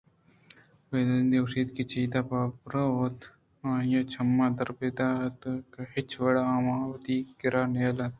پہ ترٛندی ءَ گوٛشت کہ چداں چہ برو اِت ءُ آئی ءِ چماں دور بہ بئیت اِت ءُآ ہچ وڑا آواں وتی کِرّا ءَ نیلیت